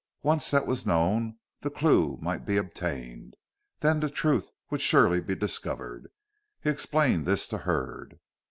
Once that was known, the clue might be obtained. Then the truth would surely be discovered. He explained this to Hurd.